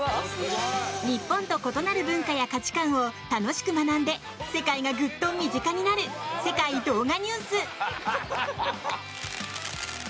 日本と異なる文化や価値観を楽しく学んで世界がグッと身近になる「世界動画ニュース」！